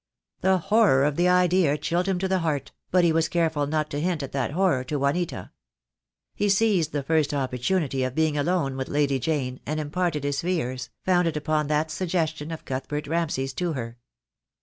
The horror of the idea chilled him to the heart, but he was careful not to hint at that horror to Juanita. He seized the first opportunity of being alone with Lady Jane, and imparted his fears, founded upon that suggestion of Cuthbert Ramsay's to her.